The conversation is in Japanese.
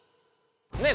ねえ？